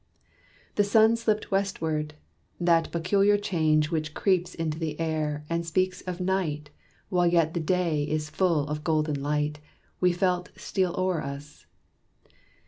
The sun slipped westward. That peculiar change Which creeps into the air, and speaks of night While yet the day is full of golden light, We felt steal o'er us.